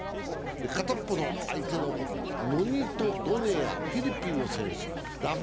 片方の相手のノニト・ドネア、フィリピンの選手。